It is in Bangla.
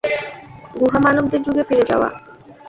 গুহা মানবদের যুগে ফিরে যাওয়া।